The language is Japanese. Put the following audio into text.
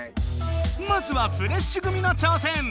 まずはフレッシュ組の挑戦。